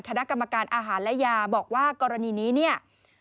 คณะกรรมการอาหารและยาบอกว่ากรณีนี้เนี่ย